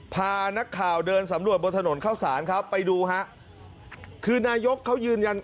พานักข่าวเดินสำรวจบนถนนเข้าสารครับไปดูฮะคือนายกเขายืนยัน